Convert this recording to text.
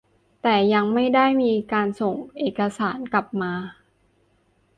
แต่ยังไม่ได้มีการส่งเอกสารกลับมา